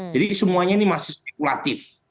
jadi semuanya ini masih spekulatif